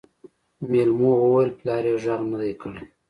مېلمو وويل پلار يې غږ نه دی کړی.